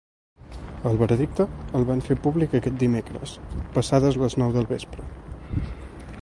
El veredicte el van fer públic aquest dimecres, passades les nou del vespre.